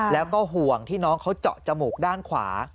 แล้วก็ห่วงที่น้องเขาเจาะจมูกด้านขวา